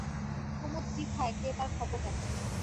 কুমুদ কী খায় কে তার খবর রাখে?